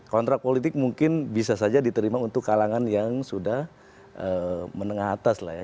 kontrak politik mungkin bisa saja diterima untuk kalangan yang sudah menengah atas lah ya